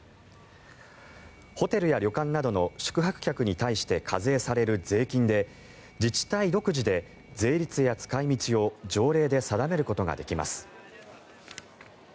ホテルや旅館などの宿泊客に対して課税される税金で自治体独自で税率や使い道を条例で定めることができます。